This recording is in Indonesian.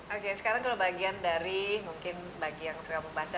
oke sekarang kalau bagian dari mungkin bagi yang suka membaca